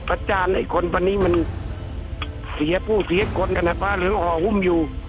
อาจารย์ไอ้คนวันนี้มันเสียผู้เสียคนขนาดพระเหลืองห่อหุ้มอยู่